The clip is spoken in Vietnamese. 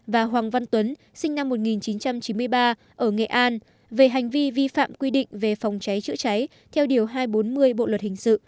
và hoàng văn tuấn sinh năm một nghìn chín trăm chín mươi ba ở nghệ an về hành vi vi phạm quy định về phòng cháy chữa cháy theo điều hai trăm bốn mươi bộ luật hình sự